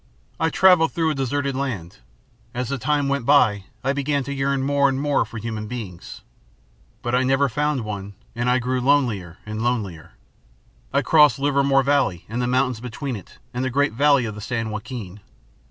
I travelled through a deserted land. As the time went by I began to yearn more and more for human beings. But I never found one, and I grew lonelier and lonelier. I crossed Livermore Valley and the mountains between it and the great valley of the San Joaquin.